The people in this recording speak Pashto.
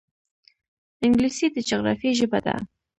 انګلیسي د جغرافیې ژبه ده